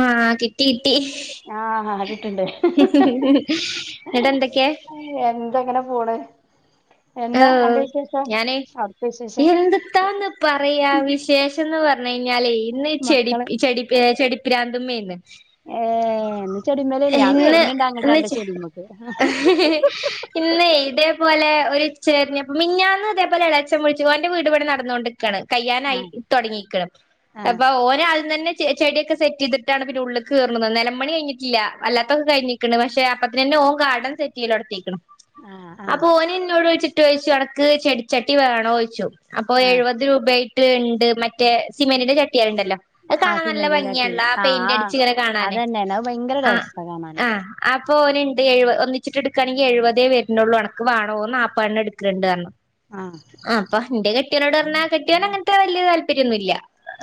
ആ കിട്ടി ട്ടി ആഹ് കിട്ട്ണ്ട് ങ്ങട്ട് യെന്തെക്കെ എന്താ ഇങ്ങനെ പോണ് ഓ എന്താ അന്റെ വിശേഷം ഞാന് അവിടുത്തെ വിശേഷം എന്തിത്താന്ന് പറയാ വിശേഷംന്ന് പർ ഞ്ഞ് കയ്ഞ്ഞാലേ ഇന്ന് ചെടിപ്പ് ചെടിപ്പ ഏ ചെടിപ്പ് ബ്രാന്ത്മേന്ന് ഏ ഏന്ന് ഇന്ന് ഇന്ന് ചെ ഇന്നേ ഇതേ ഇതേ പോലെ ഒരു [unintelligible] മിഞ്ഞാന്ന് ഇതേ പോലെ എളച്ചൻ വിള്ച്ച് ഓന്റെ വീട് പണി നടന്നോണ്ട് കയ്യാനായി ആഹ് തൊട്ങ്ങീക്കിണ് ആഹ് അപ്പോ ഓ നാദ്യം തന്നെ ചെടിയൊക്ക സെറ്റയ്തിട്ടാണ് പിന്നെ ഉള്ള്ക്ക് കേർണേന്ന് നെലം പണി കയ് ഞ്ഞിട്ടില്ല അല്ലാതൊക്കെ കയ്ഞ്ഞ് ക്ണ് പക്ഷേ അപ്പത്തിനെന്നെ ഓൻ കടം സെറ്റയ്യലൊട്ങ്ങീക്ക്ണ് ആഹ് ആഹ് അപ്പോ ഓനിന്നോട് ചോയ്ച്ച് ചോയ്ച്ചു അനക്ക് ചെടി ചട്ടി വേണോയ്ച്ചു അപ്പോ ആഹ് എഴുവത് രൂപായി ത് ഇണ്ട് മറ്റേ സിമന്റിന്റെ ച ട്ടിയാളുണ്ടല്ലോ അത് ആഹ് കാണാൻ നല്ല സിമെന്റിന്റാട്ടി ഭംഗിയാണല്ലോ ആ പൈന്റടിച്ച്ങ്ങനെ കാണാന് ഒരു രസാ കാണാന് ഓൻണ്ട് എഴുപ ഒന്നിച്ചിട്ടിട്കാണെങ്കി എഴുവതെ വെർനൊള്ളു അൻക്ക് വാണോന്ന് നാൽപ്പേണട്ക്ക്ണ്ടർഞ്ഞു ആഹ് ആ പ്പ ഇന്റെ കെട്ട്യോനോടർഞ്ഞാ കെട്ട്യോന് അങ്ങൻത്തെ വല്ല്യ താൽ [unintelligible] യൊന്നുല്ല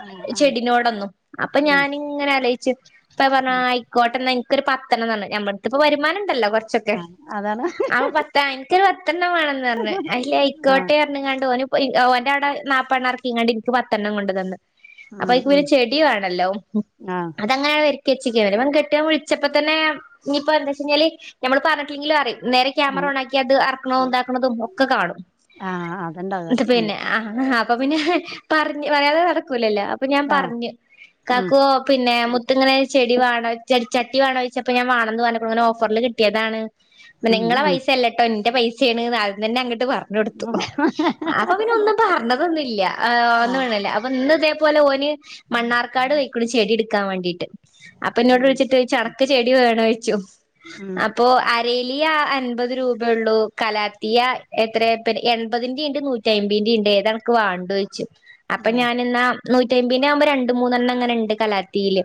ആഹ് ആഹ് ചെടിനോടെന്നും അപ്പ ഉം ഞാനിങ്ങനെ ആലോയ്ച്ച് അപ്പ പർഞ്ഞ് ഉം ആ കോട്ടെന്നാ ഇൻക്കൊരു പത്തെണ്ണംന്ന് പർഞ്ഞ് നമ്മളെട്തിപ്പോ വരുമാന ല്ല കൊർച്ചൊക്കെ ആഹ് അതാണ് അവ പത്താ- [inaudible] പ്പം ന്നെ വേണം ന്ന് അർഞ്ഞ് അയില് ആഹ് ആയിക്കോട്ടെ ന്ന് അർഞ്ഞ് കാണ്ട് ഓന് പ്പം ഇ ഓന്റെ ആടെ നാപ്പെണ്ണംർക്കി ങ്ങാണ്ട് ഇൻക്ക് പത്തെ എണ്ണം കൊണ്ട് തന്ന് അപ്പൊ ഉം അയ്ക്ക് ഉം [unintelligible] ചെടി വേണല്ലോ ആഹ് അതങ്ങനെയ വ [unintelligible] [unintelligible] വിളിച്ചപ്പോ തന്നെ ഇനിപ്പോ എന്താച്ചെഴിഞ്ഞാല് നമ്മൾ പറ [unintelligible] അറിയും നേരെ ക്യാമറ ഉം ഓണാക്കി അത് അ [unintelligible] ണതും ഒക്കെ കാണും ആഹ് അത്ണ്ടാക ന്നട്ട് ഉം പിന്നെ ആ അപ്പം പിന്നെ പറഞ്ഞ അയാൾ [unintelligible] ക്കൂലല്ലോ അപ്പൊ ഞാൻ ആഹ് പറഞ്ഞു ഉം കാക്കുവോ പിന്നെ മു ട്ട് ഇങ്ങനെ ചെടി വാണ ച്ചട്ടി വേണോയിച്ചപ്പം ഞാവാണംന്ന് പറഞ്ഞപ്പം ഇങ്ങനെ ഓഫറിൽ കട്ടിയതാണ് ഉം നിങ്ങളെ പൈസ അല്ലട്ടോ എന്റെ പൈസ ചെയണ്ന്ന് ആദ്യം തന്നെ അങ്ങ ട്ട് പറഞ്ഞൊട്ത്തു. ഉം അപ്പം പിന്നെ ഒന്നും പർ തൊന്നില്ല ആ ആഹ് ഒന്ന് വേണല്ലേ അപ്പൊ ഇന്ന് ഇത പോലേ ഓന് മണ്ണാർക്കാട് പോയ്ക്ക്ണ് ചെടി ഇ ട്ക്കാൻ വേണ്ടിയിട്ട് ട്ട് അപ്പൊ എന്നോട് അയിന് [unintelligible] ഉം അനക്ക് ചെടി വേണോയ്ച്ചു ഉം അപ്പോ അരീ [unintelligible] അൻപത് രൂപേ ഉള്ളൂ കലാത്തിയ എത്ര പെ എൺപതിന്റെ നൂറ്റഅയ്മ്പീന്റെ ഇണ്ട് ഏതാ അൻക്ക് വാണ്ടോയ്ച്ചു അപ്പൊ ആ ഞൻ ഇന്നാ നൂറ്റി അയ്‌മ്പന്റെ ആകുമ്പോ രണ്ട് മൂന്നെണ്ണംങ്ങന ഉണ്ട് കലാത്തിയില്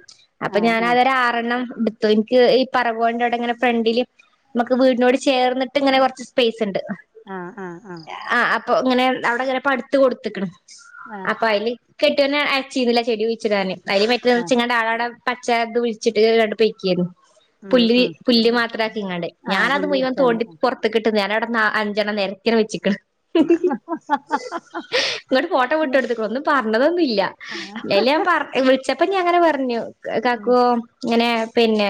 അപ്പൊ ആ ഞാനതൊരാ ആ എടുത്തു എനിക്ക് ഈ പറവോൾണ്ടടെങ്ങനെ ഫ്രണ്ടില് നമുക്ക് വീടിനോട് ചേർന്നിട്ട് ഇങ്ങനെ കുറച്ച്‌ സ്പെ സ്ണ്ട് ആ ആ ആ ആ അപ്പൊ ഇങ്ങനെ അവിടെങ്ങനെ പട്ത്തു കൊട്ത്ത്ക്ക്ണ് ആ അപ്പ അയിൽ കെ ക്കന്നെ അച്ചിരൂല ചെടി കുയിച്ചിടാന് അരി മേത് ആ വെച്ങ്ങാട് ആടം അച്ഛാതൂൻ ആൻഡ് പയിക്കാര്ന്നു ഉം പുല്ല് ഉം പുല്ല് മാത്രം ആക്കിങ്ങാണ്ടേ ആ ഞാൻ അത് മുയിവൻ പുള്ളിരിച്ചാണ്ട് തോണ്ടി പൊറത്ത്ക്ക് അഞ്ചണം നേരത്തിയാൻഡ് വെച്ച്ക് ന് ഹ് ഹ് നിട്ട് ഫോട്ടോ വിട്ട് വിട്ട് കൊടുത്തു കുണു ഒന്നും പറഞ്ഞെന്നും ഇല്ല ആ ഇപ്പഞ്ഞി അങ്ങന പറഞ്ഞൂ കെ ഉം കാക്കോ എങ്ങനെ പിന്നെ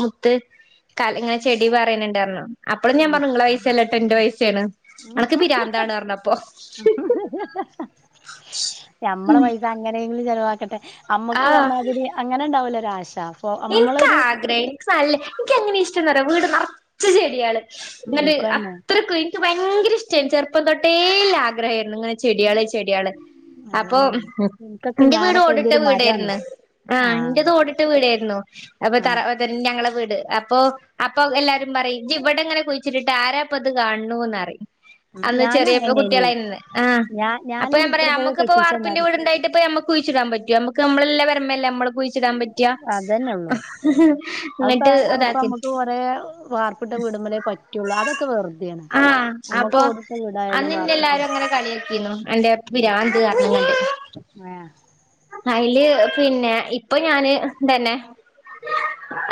മുത്ത് കാൽങ്ങനെ ചെടി പറേന്ണ്ടാന്ന് പറഞ്ഞൂ അനക്ക് പിരാന്താണ് പറഞ്ഞപ്പോ ഞമ്മളെ പൈസ അങ്ങനേലും ചെലവാ കട്ടെ അമ്മക്ക് പറഞ്ഞാതിരി അങ്ങനെ ണ്ടാവൂലെ മാഷാ ൻക്ക് ആഗ്രഹ ന്ക്ക് നല്ല ന്ക്ക് ഇഷ് ന്ക്ക് ന്താറിയോ വീട് നറച്ച് ചെടികൾ ഉം എന്നിട്ട് ഇൻക്കും അതന്നെ അത്രക്കു ന്ക്ക് ഭയങ്കര ഇഷ് ച്ച് ചെറുപ്പം തൊട്ടേല്ല ആഗ്രഹർന്നു ന്ന് ചെടിയാൾ ചെടിയാൾ അപ്പൊ അതന്നെയാണ് ഇൻക്കൊക്കെ ന്റെ വീട് ഞാനൊക്കെ അയിന്റെ ഓട്ട്ടെ ഒരു മരാണ് വീട്ർന് ആ ന്റേത് ഓട് ട്ടെ വീട് ർന് ആ [unintelligible] അപ്പോ അപ്പോ എല്ലാരും പറയും ഇജ്ജ് ഇവിടങ്ങനെ കുഴിച്ചിട്ട്ട്ട് ആരാപ്പോ ഇങ്ങനെ കാൺന് പറയും അന്ന് ഞാനും ചെറിയപ്പോ അങ്ങനെന്നേനി കുട്ടിയാൽ ആയിനന്ന് ഞാ അപ്പോ ഞാനിനി ഞാൻ ഇപ്പള് പറയും ഇപ്പള് ഞമ്മക് പ്പോ വാർപ്ന്റെ കെട്ടിച്ചന്നാല് വീട് ണ്ടായിട്ടപ്പത് ഞ്ഞ കുഴിചിടാൻ പറ്റോ ഞമ്മക് ഞമ്മൾ പേരെമ്മേ ല്ലെ ഞമ്മൾ കുഴിച്ചിടാൻ പറ്റ കു അതന്നെള്ളു അത എന്നിട്ട് അതപ്പം ഇതാക്കി നമ്മക് കുറേ വാർപ്പ് ട്ടെ വീട്മ്മലെ പറ്റളു അതൊക്കെ വെറുതെണ് ആഹ് അപ്പൊ നമ്മക് ഓട് ട്ടെ വീടായാലും അന്നിന്നെ വാർപ്പ് എല്ലാരും അങ്ങനെ കളിയാക്കിന്നു എന്റെ മം പിരാന്ത് ഏ അയിൽ പിന്നെ ഇപ്പോ ഞാൻ തന്നെ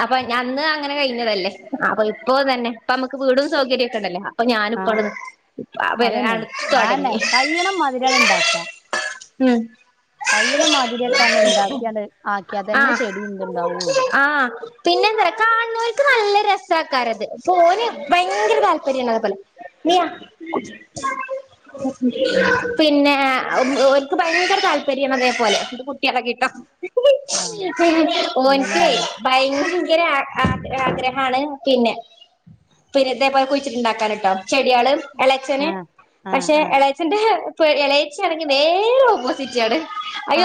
അപ്പോ അന്ന് അങ്ങനെ കഴിഞ്ഞതല്ലേ ഇപ്പോ തന്നെ അമ്മക്ക് വീടും സൗകര്യോക്കെ ണ്ടല്ലോ ഇപ്പോ ഞാനും ആഹ് അതന്നെ ണ്ട് ആന്നെ തൊടങ്ങി കയ്യണ മാതിരിയാണ് മം കയ്യിനാ മാതിരിയൊക്കെ ആണ്ട് ണ്ടാക്കിയാണ്ട് ആക്കിയതന്നെ ആഹ് ശരി ണ്ടാവൊള്ളൂ ത്‌ നല്ല രസക്കാരം ഇത് ഓൻ പ്പോഴെങ്കിലും കാ [unintelligible] മിയ പിന്നെ ഓല്ക്ക് ഭയങ്കര താൽപ താല്പര്യമാണ് അതേപോലെ ആഹ് അതന്നെ ഓന്ക്കേ ആവ ഭയങ്കരം ഭയങ്കരം ആഗ്രഹണ് ഇതുപോലെ കുഴിച്ചിട്ടുണ്ടാക്കാൻ ചെടിആള് ഇളച്ചന് ആഹ് ആഹ് പക്ഷേ ആഹ് ഇളച്ചന്റെ എളച്ചി നേരം ഓപ്പോസിറ്റ് ളച്ചിയാള്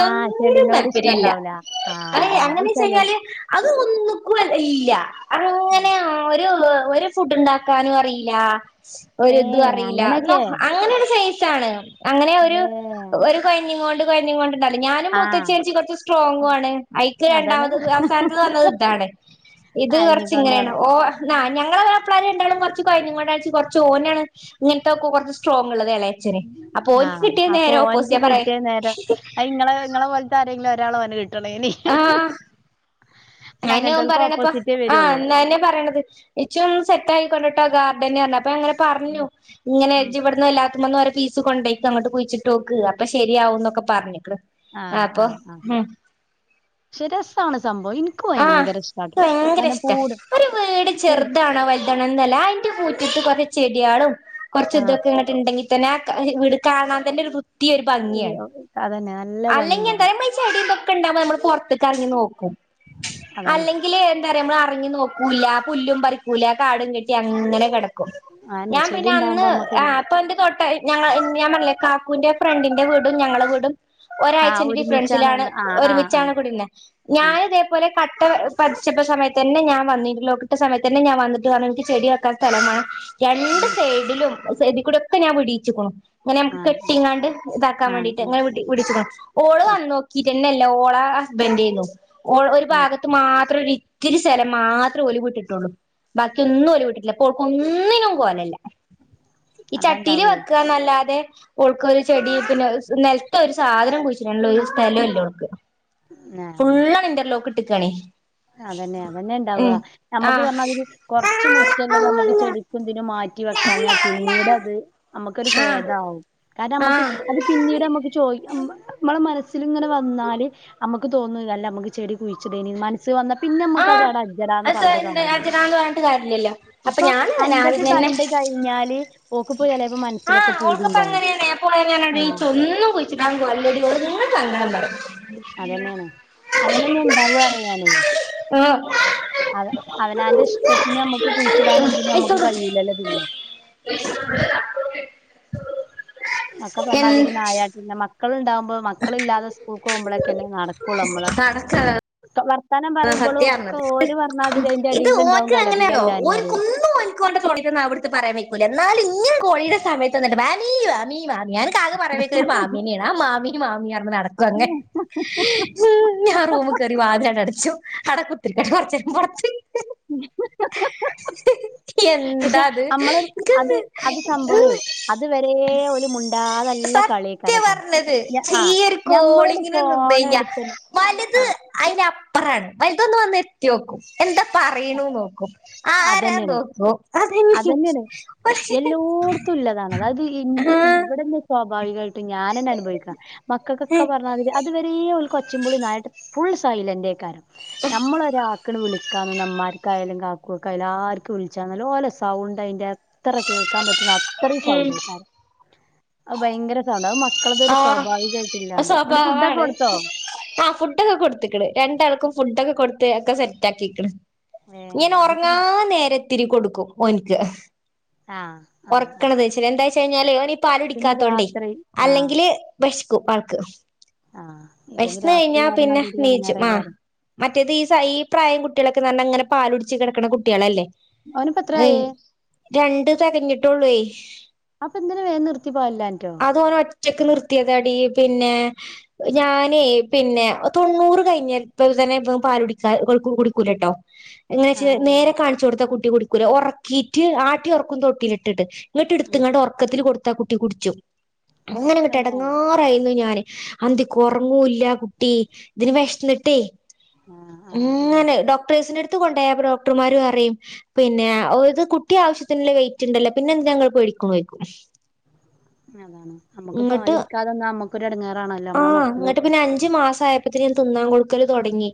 ആഹ് ചെടിനോട് ഇഷ്ടം താല്പര്യം ഇല്ല ഇണ്ടാവൂല ആഹ് അതാണ് അത് അങ്ങനെച്ച് കഴിഞ്ഞാൽ ചെലോൽക്ക് ഒന്നുകും ഇല്ല ഉം അങ്ങനെ ഒരു ഫുഡ് ഉണ്ടാക്കാനും അറില്ല ഒരുതും ഏഹ് അറിയില്ല ന്നാ അങ്ങനെയൊക്കെ അങ്ങനെ [unintelligible] ഇഷ്ടാണ് അങ്ങനെ ഒരു ഏഹ് ഒരു പയ്ൻഡിങ് കൊ ണ്ട് കയ് ഞാകൊണ്ട് [unintelligible] ഞാനും ആഹ് മൂത്തച്ചിയകുറച്ച് സ്ട്രോങ്ങ് ആണ് അയക്ക് അതാണ് രണ്ടാമത്തെ അവസാനത്തെ വന്നത് ഇതാണ് ഇത് കുറച്ച് ഇങ്ങനെയാണ് അയിഞ്ഞിക്കൊണ്ടാണ് ഞങ്ങളെ മാപ്പിളമാരും രണ്ടാളും കുറച്ച് കുറഞ്ഞു കൊയ്ഞാണ്ടാണ് കുറച്ച് ഓനാണ് ഇങ്ങനത്തെ ഒക്കെ കുറച്ച് സ്ട്രോങ്ങ് ഉള്ളത് ഇളയച്ഛനെ അപ്പൊ ഓന്ക്ക് കിട്ടിയത് നേരെ ഓപ്പോസിറ്റ് ഞാൻ പറയാ അയ് ഇങ്ങള് ഇ ങ്ങളെ പോലെ ആരെങ്കിലും ആ ഒരാളെ ഓന്ക്ക് കിട്ടി [unintelligible] കിട്ടണ്ടീനി [unintelligible] അതെന്നെ ഓൻ പറീണത് ഇപ്പം ആ അന്നെ പറയുന്നത് ഇച്ചും ഒന്ന് സെറ്റ് ആക്കിക്കൊണ്ട [unintelligible] ഞാൻ അങ്ങനെ ഉം പറഞ്ഞു ഇങ്ങനെ ഉം ഇജ്ജ് ഇവിടുന്ന് എല്ലാ ഇതിമ്മന്നൊര് പീസ് കൊണ്ടോയ്റ്റ് കുയിച്ട്ടോക്ക് അപ്പ ശെരിയാവും ന്നൊക്കെ പറഞ്ഞു ആ ആ ആ ക്ഷേ രസാണ് സംഭവം ഇൻ ആ എനിക്ക് ഭയങ്കര ഇഷ്ടാ ഒരു വീട് പൂട് ചെറുതാണോ വലുതാണോ എന്നല്ല അയിന്റെ മു ൻക്ക് കൊറച്ച് ചെഡ്യാളും കൊറച്ചു ആഹ് തൊക്കെ ണ്ടെങ്കിൽ ആ വീട് കാണാൻ തന്നെ ഒരു വൃത്തിയാ അതെന്നെ അല്ലെങ്കിൽ എന്താ നമ്മൾ ഈ ചെടിയൊക്കെ ഇത് ഉണ്ടാകുമ്പോൾ നമ്മൾ പൊറത്ത് ത്ത്ക്കെറങ്ങി നോക്കും [unintelligible] അതാണ് അല്ലെങ്കിലേ എന്താ ഞമ്മളെറങ്ങി നോക്കൂല പുല്ലും പറിക്കൂല കാടും കെട്ടി അങ്ങനെ കെടക്കും ക്കും അതന്നെ ഞാൻ ചെടി പിന്നന്ന് ഇണ്ടാവുമ്പോ അമ്മക്ക് ആ അയിന്റെ പിന്നെന്റെ തൊട്ട് ഞങ്ങള് ഞാം പറഞ്ഞിലെ കാക്കൂന്റെ ഫ്രണ്ടിന്റെ വീടും ഞങ്ങളെ വീടും ആഹ് ഒരായ്ച്ചന്റെ ഡിഫ്റെൻസിലാണ് ഒരുമിച്ചാണ്ന്ന് ആഹ് ആഹ് ആഹ് ഒര്മിച്ചാണ് കുടിര്ന്നേ ആഹ് ഞാന് തേപോലെ കട്ട പതിച്ചപ്പ സമയത്തന്നെ ഞാൻ വന്നീനു ഇന്റർ ലോക്ക്ട്ട സമയത്തെന്നെ ഞാം വന്ന്ട്ട് പറഞ്ഞു ഇൻക്ക് ചെടി വെക്കാം സ്ഥലം വാണം രണ്ട് ഉം സെയ്ഡിലും സെയ്ഡ്കുടൊക്കെ ഞാൻ വിടീ ച്ച്കുണു ങ്ങനമ്മക്ക് ആഹ് കെട്ടീങ്ങാണ്ട് താക്കാ ആഹ് ആഹ് വേണ്ടീട്ട് ആഹ് ങ്ങനെ വ്ട് [unintelligible] ഓള് ഉം വന്നോക്കീറ്റ് ല്ല ല്ല ഓളെ ഹസ്ബന്റെയ്ന്നു ഓൾ ആഹ് ഒര്ഭാഗത്ത് മാത്രോരി ത്തിരി സ്ഥലം മാത്രം ഓല് വിട്ട്ട്ടോള്ളൂ ബാക്കി ഒന്നും ഓല് വിട്ടിട്ട്ല്ല പ്പോ ഓൾക്കൊന്നിനും കോലല്ല ഈ ചട്ടീല് അതാണ്ടാവേ. വെക്കാന്നല്ലാതെ ഓൾക്കൊരു ചെടി പിന്നെ നെൽത് തൊര് സാധനം കുഴിച്ച്ടാന്ള്ളോരു സ്ഥലല്ലോള്ക്ക് ഫുള്ളണ് ഇന്റർ ലോക്ക് ട്ട് കാണേ അതെന്നെ അതെന്നെണ്ടാവ ഞമ്മക്ക് ആഹ് പറഞ്ഞാമാതിരി കൊറച്ച് മുറ്റല്ലത് ഞമ്മക്ക് ചെടിക്കും തിനുംമാ റ്റിവെക്കാഞ്ഞാ പിന്നീടത് ഞമ്മക്കൊരു ആഹ് കേതാവും കാരണമ്മക്ക് ആഹ് അത് പിന്നീടമ്മക്ക് ചോയി അ അമ്മളെ മനസില്ങ്ങനെ വന്നാല് അമ്മെ ക്ക് തോന്നും അല്ല അമ്മക്ക് ചെടി കുയ്ച്ച്ടേനീ മന സ്സ് വന്ന പിന്നെ നമ്മക്ക് അത് ആഹ് അവിടെ അജ്ജടാന്ന് പറഞ്ഞിട്ട് അടിച്ചേര്ണ്ട് കാര്യല്ല അടിച്ചെരാന്ന് പറഞ്ഞിട്ട് കാര്യല്ലല്ലോ. അപ്പ ഇപ്പൊ ഞാന് അന്റത് ഞാന്ങ്ങനെ കണ്ട് കഴിഞ്ഞാല് ഓക്കിപ്പോ ചെലേപ്പോ ആ മനസ്സിലൊക്കെ പൂതിണ്ടാവും ഓൾക്ക്പ്പങ്ങനേണ് [unintelligible] ആഹ് നീച്ചോവും ഒന്നും കുഴിച്ചിടാൻ കോലല്ലെടി ഓള്ങ്ങ സങ്കടം പറിം അതെന്നേണ് അങ്ങനന്നെ ഇണ്ടാവറ്ഞ്ഞാല് ആഹ് അതെ അവനാന്റെ ഇഷ്ടത്തിന് ഞമ്മക്ക് കുയിച്ച്ടാനും തിനും ഞമ്മക്ക് കഴിയൂല്ലല്ലോ പിന്നെ ഒക്ക പറഞ്ഞാതിരി ന്നായട് ന്റെ മ ക്കള്ണ്ടാ പ്പോ മക്കളില്ലാതെ സ്കൂൾക്ക് പോകുമ്പളൊക്കെന്നെ നടക്കൊള്ളു നമ്മളെ റ്റ വർ ആഹ് സത്യാണ് പറഞ്ഞത് അതിന്റെ ഇത് അടിയിലുണ്ടാവും ഓൽക്ക് എങ്ങനെ അറിയോ കലപിലല്ലാന് ഓൽക്ക് പറയും ഒന്നും ഓലെ തൊള്ളീത്തെ നാവ്ട്താണ്ട് പറയാം വെയ്ക്കൂല ന്നാലും ഇങ്ങനെ കോളെയ്ണ സമയത്ത് വന്ന്ട്ട് മാമി മാമി മാ ഞങ്ങക്കാക്കെ പറയാ വെയ്ക്കാണെ ഒരു മാമീനെയാണ് ആ മാമീ മാമീ പറഞ്ഞ് നടക്കും അങ്ങനെ ഞാൻ റൂമിൽ കേറി വാതിലാട്ടട ശോ അവടെ കുത്തിരിക്കാ [unintelligible] പക്ഷേ എന്താ അത് അമ്മളൊരു അത് എനിക്കെന്ത് അത് സംഭവേ ഉം. അതുവരേ ഓല് മുണ്ടാതെ നല്ല സത്യ കളിയേക്കാരട്ടോ പറഞ്ഞത് ഞാ ആ ഈ ഒരു ഞമ്മളാട് കോളിങ്ങിന് നിന്ന് കഴിഞ്ഞാ ഫോണെടുത്ത്ന്നെ ആ റെഡ് വെല്ത്ത് വന്ന് ഒന്ന് എത്തിയോക്കും എന്താ പറീണുനോക്കും അതന്നേണ് അതന്നേണ് എല്ലോടുത്തും ഉള്ളതാണത് അതായത് എന്ത് ആഹ് ഇവിട്ന്ന്പ്പോ വാഴികേൾ ട്ട് ഞാനന്നെ അനുഭവിക്ക മക്കൾക്കൊക്കെ പറഞ്ഞാതിരി അതുവരേ ഓല്ക്കൊ ച്ചുമ്പളും നായാട്ട് ഫുൾ സൈലന്റേക്കാരം നമ്മള് ഒരാൾക്ക്ടെ വിളി കാരണന്നാ ഇമ്മാര്ക്കായാലും കാ ക്കുകായാലും ആര്ക്ക് വിള്ച്ചാലും ഓലെ സൗണ്ടയിന്റെ എത്ര കേൾക്കാപറ്റുന്ന അ ത്രിം ഉം സൗണ്ടേക്കാരം അത് ഭയങ്കര സൗണ്ടാ അത് മ ആഹ് ആ ഫുഡൊക്കെ സ്വഭാവാണ്. കൊടുത്തോ ആ ഫുഡൊക്കെ കൊടുത്ത്ക്ക്ണ് രണ്ടാൾക്കും ഫുഡൊക്കെ കൊട് ത്ത് ഒക്കെ സെറ്റാക്കീക്ക്ണ് ഏഹ് ഇങ്ങനെ ഇനിയിപ്പം ഒറങ്ങാൻ നേര ത്തിരി കൊടുക്കും ഓന്ക്ക് ആഹ് ആഹ് ആഹ് ഒറ്ക്ക്ണതൊയിച്ച് രണ്ടാഴ്ച്ച് കഴിഞ്ഞാല് ഓന് പിന്നെ പാലുടിക്കാത്തോണ്ടേ രാത്രി ആഹ് അല്ലെങ്കില് വെശ് ക്കു ആൾക്ക് ആഹ് വെശ് ഇല്ലെങ്കി ന്ന് രാത്രി കഴിഞ്ഞാപ്പിന്നെ പറഞ്ഞാതിരി നീച്ചും. ആഹ് എടങ്ങേറേക്കാരം മറ്റേത് സൈ ഈ പ്രായം കു ട്ടികളൊക്കെന്ന്‌ പറഞ്ഞാ ഇങ്ങനെ പാലുടിച്ചു കിടക്കണ കുട്ടിയേളല്ലേ. അവനിപ്പോ എത്രാ യേ? രണ്ട് തികഞ്ഞിട്ടുള്ള്വേ.. അപ്പെന്തിനാ വേഗം നിർത്തിപ്പോകല്ലാഞ്ഞിട്ടോ റ്റക്കു നിർത്തിയതാടി പിന്നേ ഞാനേ പിന്നെ തൊണ്ണൂറ് കഴിഞ്ഞൽപ്പ തന്നെ ഇവൻ പാലുകുടിക്ക കൊഴിക്കു കുടിക്കൂല്ലട്ടോ ഇങ്ങനെ ചെയ് ആഹ് നേരെ കാണിച്ചു കൊടുത്ത കു ട്ടി കുടിക്കൂല ഒറക്കീട്ട് ആട്ടിയൊറക്കും തൊട്ടീലിട്ടിട്ട്. ഉം എന്നിട്ടെടുത്തിങ്ങാട് ഒറക്കത്തില് കൊടു ത്ത കുട്ടി കുടിച്ചും അങ്ങനെങ്ങട്ട് തന്നെ എടങ്ങാറായിരുന്നു ഞാന്. അന്തിക്കൊറങ്ങോ ഇല്ല കുട്ടി ഇതിനു വിശന്നിട്ടേ. ആഹ് ആഹ് ആഹ് അങ്ങനെ ഡോക്ടേഴ്‌സിന്റെ അടു ത്ത് കൊണ്ടുപോയപ്പ ഡോക്ടറുമാര് പറയും പിന്നെ ഓ ഇത് കുട്ടി ആവിശ്യത്തിനുള്ള വെയ്റ്റ്ഇണ്ടല്ലോ പിന്നെന്തിനാ നിങ്ങള് പേടിക്കണേന്നു ചോദിക്കും അതാണ് നമ്മക്ക് പാലുകുടിക്കാതെ വന്ന നമ്മ ആ എന്നിട്ട് പിന്ന അഞ്ചു മാസായപ്പത്തേനും തിന്നാൻ കൊടു ക്കല് തൊടങ്ങി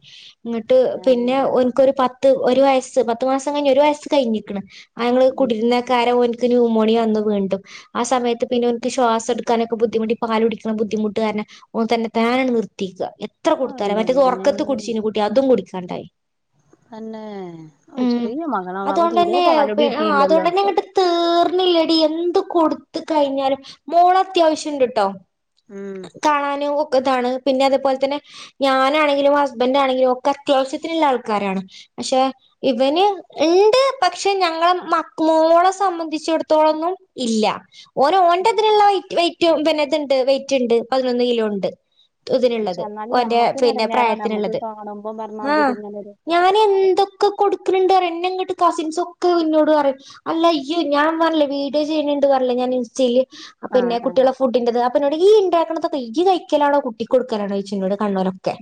എന്നിട്ട് ആഹ് പിന്നാ ഓനിക്കൊരു പ ത്ത് ഒര് വയസ് പത്ത് മാസം കഴിഞ്ഞ് ഒരു വയസ്സ് കഴിഞ്ഞിക്കണ് ആങ്ങള് കുടിരുന്നക്കാരെ നുമോണിയ വന്ന് വീണ്ടും ആ സമയത്ത് പിന്നെനെക്ക് ശ്വാസ എടുക്കാനൊക്കെ ബുദ്ധിമുട്ടി പാല് കുടിക്കണ ബുദ്ധിമു [unintelligible] ര തന്നെ ഓൻ തന്നെതാനങ്ങ് നിർത്തിക്ക എത്ര കൊടുത്താലേ മറ്റത് എന്റമ്മേ ഉറക്കത്ത് കുടിച്ചീന് കുട്ടി അതും കുടി ഒണ്ടായി തന്നെ ഒ ചെറിയ മകളാവാ പ്പ അതുകൊണ്ട് തീരെ തന്നെ പാലുടി എത്തിലല്ലോ മാറ്ന്നില്ലടി എന്ത് കൊടുത്ത് കരിഞ്ഞാലും മോള് അത്യാവശ്യംണ്ട്ട്ടോ ഉം കാണാനും ഇക്കതാണ് പിന്നെ അതുപോലെ തന്നെ ഞാനാണെങ്കിലും ഹസ്ബന്റ് ആണെങ്കിലും ഒക്കെ അത്യാവശ്യത്തിനുള്ള ആൾക്കാരാണ് പക്ഷെ ഇവന് ഇണ്ട് പക്ഷെ ഞങ്ങളെ മക്ക് മോളെ സംബന്ധിച്ചിടത്തോളൊന്നും ഇല്ല ഓന് ഓന്റതിനുള്ള വെയിറ്റും പിന്നെ ഇതിണ്ട് വെ റ്റിണ്ട് പതിനൊന്ന് കിലോ ഉണ്ട് പക്ഷെ ഇതിനുള്ളത് എന്നാലും ഓന്റെ ഞമ്മക്കൊരു പിന്നെ എടങ്ങേറാണ് നമ്മുക്ക് പ്രായത്തിനുള്ളത് കാണുമ്പോ പറഞ്ഞാതിരി ആഹ് ഇങ്ങനൊരു ഞാൻ എന്തൊ ക്കെ കൊടുക്കുന്നുണ്ട് എന്നെങ്ങട്ട് കസിൻസ് ഒക്കെ ഇന്നോട് പറയും അല്ല ഇയ്യ് ഞാൻ പറഞ്ഞില്ലേ വീഡിയോ ചെയ്യണ് ണ്ട് പറഞ്ഞില്ലേ ഞാൻ ഇൻസ്റ്റയില് പിന്നെ ആഹ് ആഹ് കുട്ടികളെ ഫുഡിന്റത് ന്നൊട് ഈ ഇണ്ടാക്കണ ഇയ്യ് കഴിക്കലാണോ കുട്ടി കൊടുക്കലാണോ ചോയ്ച്ച് ഇന്നോട് കണ്ണൂരൊക്കെ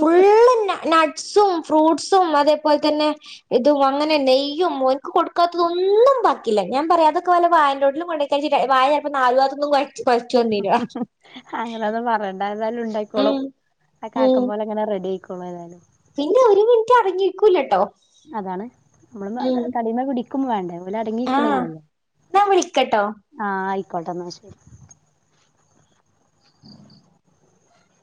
ഫുള്ള് ന നട്സും ഫ്രൂട്ട്സും അതേപോലെ തന്നെ ഇതും അങ്ങനെ നെയ്യും ഓനിക്ക് കൊടുക്കാത്തതൊന്നും ബാക്കില്ല ഞാൻ പറയാതൊക്കെ വല്ല വായന്റെോട്ടിലും കൊണ്ടക്കാ വായ ചിലപ്പോ നാലു [unintelligible] ത്തൊന്നും പരിച്ച് വന്നീനാ അങ്ങനെ ഒന്നും പറയണ്ട അതെല്ലാം ഉണ്ടായിക്കോളും ഉം അക്കെ ഉം ആക്കംപോലെ അങ്ങനെ റെഡി ആയിക്കോ പ്രളയതായിന്നു പിന്നെ ഒരു മിനിറ്റ് അടങ്ങിരിക്കൂലട്ടോ അതാണ് നമ്മള് തടിമെ പിടി ക്കും വേണ്ടേ ല് ആഹ് അടങ്ങിക്ക്ണില്ലല്ലോ ന്നാ വിളിക്കട്ടോ ആ ആയി യിക്കോട്ടന്ന ശെരി [inaudible]